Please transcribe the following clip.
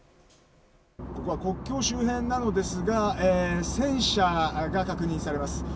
ここは国境周辺なのですが戦車が確認されます。